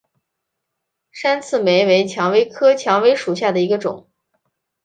山刺玫为蔷薇科蔷薇属下的一个种。